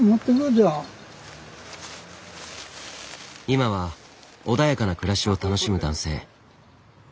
今は穏やかな暮らしを楽しむ男性。